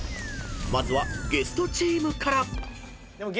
［まずはゲストチームから］